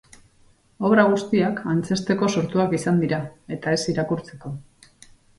Obra guztiak antzezteko sortuak izan dira, eta ez irakurtzeko.